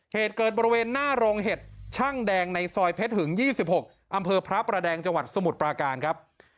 เหตุเกิดบริเวณหน้าโรงเห็ดช่างแดงในซอยเพชรหึง๒๖อำเภอพระประแดงจังหวัดสมุทรปราการครับ